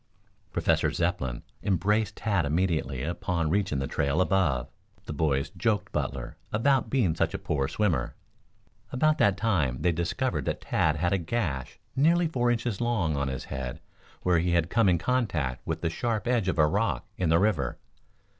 Professor Zepplin embraced Tad immediately upon reaching the trail above. The boys joked Butler about being such a poor swimmer. About that time they discovered that Tad had a gash nearly four inches long on his head where he had come in contact with the sharp edge of a rock in the river.